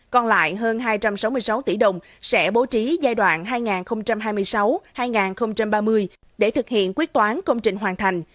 còn lại hơn hai trăm sáu mươi sáu tỷ đồng sẽ bố trí giai đoạn hai nghìn hai mươi sáu hai nghìn ba mươi để thực hiện quyết toán công trình hoàn thành